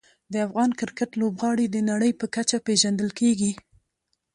د افغان کرکټ لوبغاړي د نړۍ په کچه پېژندل کېږي.